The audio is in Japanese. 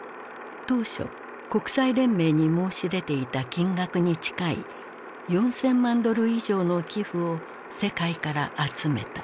当初国際連盟に申し出ていた金額に近い４，０００万ドル以上の寄付を世界から集めた。